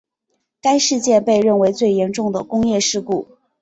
该事件被认为最严重的工业事故。